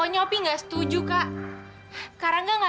ya udah jangan